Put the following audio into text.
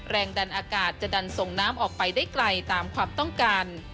แรงดันอากาศจะดันส่งน้ำออกไปได้ไกลตามความต้องการ